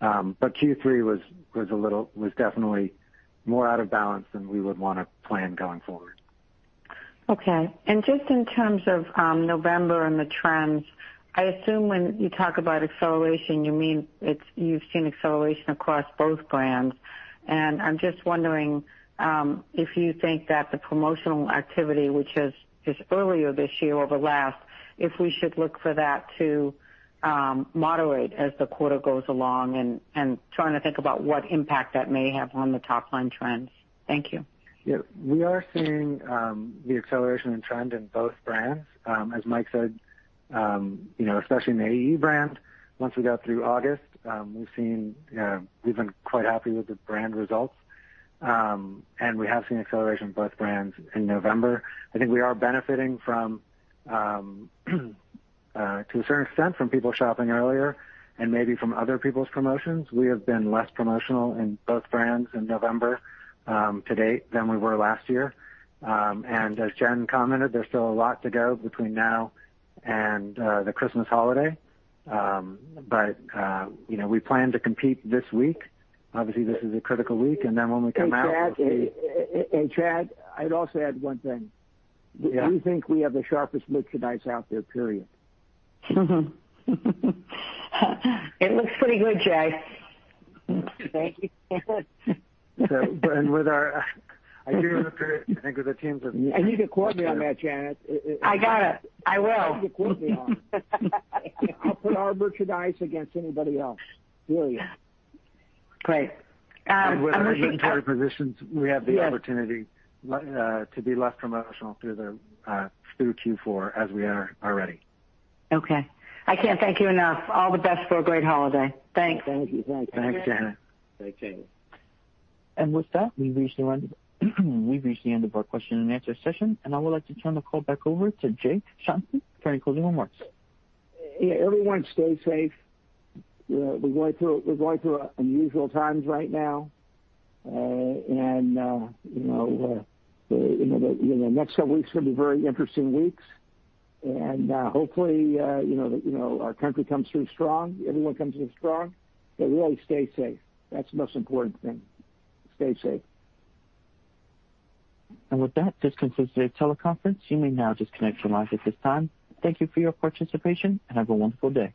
Q3 was definitely more out of balance than we would want to plan going forward. Okay. Just in terms of November and the trends, I assume when you talk about acceleration, you mean you've seen acceleration across both brands? I'm just wondering if you think that the promotional activity, which is earlier this year over last, if we should look for that to moderate as the quarter goes along, and trying to think about what impact that may have on the top-line trends? Thank you. Yeah. We are seeing the acceleration in trend in both brands. As Mike said, especially in the AE brand, once we got through August, we've been quite happy with the brand results. We have seen acceleration in both brands in November. I think we are benefiting to a certain extent from people shopping earlier and maybe from other people's promotions. We have been less promotional in both brands in November to date than we were last year. As Jen commented, there's still a lot to go between now and the Christmas holiday. We plan to compete this week. Obviously, this is a critical week. Chad, I'd also add one thing. Yeah. We think we have the sharpest merchandise out there, period. It looks pretty good, Jay. Thank you, Janet. I agree with you. You can quote me on that, Janet. I got it. I will. You can quote me on it. I'll put our merchandise against anybody else, period. Great. With our inventory positions, we have the opportunity to be less promotional through Q4 as we are already. Okay. I can't thank you enough. All the best for a great holiday. Thanks. Thank you. Thanks, Janet. With that, we've reached the end of our question and answer session, and I would like to turn the call back over to Jay Schottenstein for any closing remarks. Yeah, everyone stay safe. We're going through unusual times right now, and the next several weeks are going to be very interesting weeks. Hopefully, our country comes through strong, everyone comes through strong. Really, stay safe. That's the most important thing. Stay safe. With that, this concludes today's teleconference. You may now disconnect your lines at this time. Thank you for your participation, and have a wonderful day.